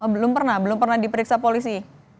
belum pernah belum pernah diperiksa polisi